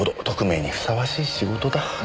特命にふさわしい仕事だ。